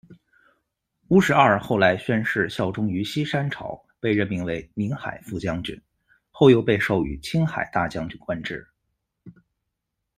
乌石二后来宣誓效忠于西山朝，被任命为宁海副将军，后又被授予清海大将军官职。